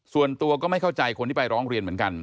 ส่วนตัวก็ไม่เข้าใจคนที่ไปร้องเรียนเหมือนกัน